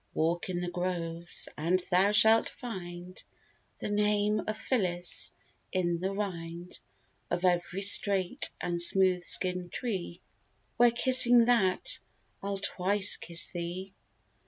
Walk in the groves, and thou shalt find The name of Phillis in the rind Of every straight and smooth skin tree; Where kissing that, I'll twice kiss thee.